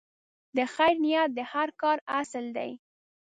د خیر نیت د هر کار اصل دی.